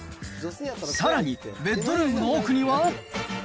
さらに、ベッドルームの奥には。